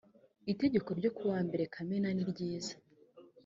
itegeko ryo ku wa mbere kamena niryiza